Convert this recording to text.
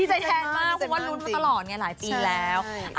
ดีใจมากดีใจมากจริงคือว่าลุ้นมาตลอดไงหลายปีแล้ว